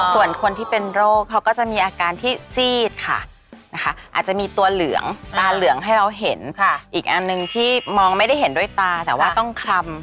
ส่วนคนที่เป็นโรคเขาก็จะมีอาการที่ซีดค่ะ